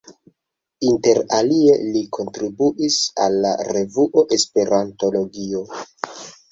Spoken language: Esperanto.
Inter alie li kontribuis al la revuo Esperantologio.